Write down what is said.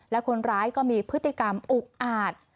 และคนร้ายก็มีพฤติกรรมอุกอาจ